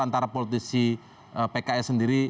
antara politisi pks sendiri